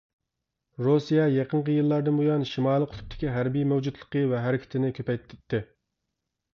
رۇسىيە يېقىنقى يىللاردىن بۇيان شىمالىي قۇتۇپتىكى ھەربىي مەۋجۇتلۇقى ۋە ھەرىكىتىنى كۆپەيتتى.